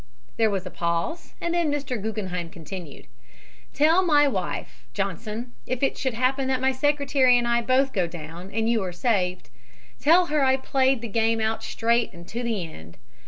"There was a pause and then Mr. Guggenheim continued: "'Tell my wife, Johnson, if it should happen that my secretary and I both go down and you are saved, tell her I played the game out straight and to the end.